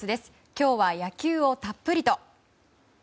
今日は野球をたっぷりと。